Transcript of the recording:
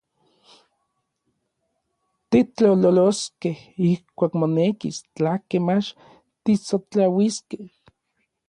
Titlololoskej ijkuak monekis, tlakej mach tisotlauiskej.